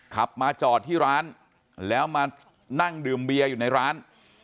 ขับมาจอดที่ร้านแล้วมานั่งดื่มเบียร์อยู่ในร้าน